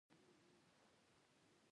زه په رخصتیو کښي کور ته ځم.